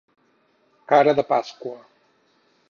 Cara de Pasqua.